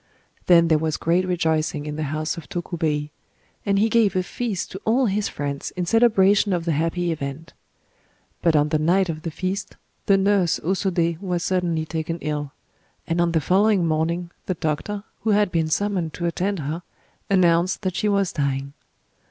Then there was great rejoicing in the house of Tokubei; and he gave a feast to all his friends in celebration of the happy event. But on the night of the feast the nurse O Sodé was suddenly taken ill; and on the following morning, the doctor, who had been summoned to attend her, announced that she was dying.